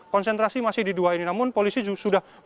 konsentrasi masih di dua ini namun polisi sudah